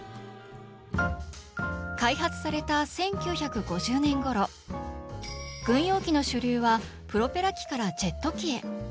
開発された１９５０年ごろ軍用機の主流はプロペラ機からジェット機へ。